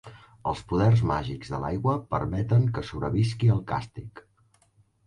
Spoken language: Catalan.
Els poders màgics de l'aigua permeten que sobrevisqui al càstig.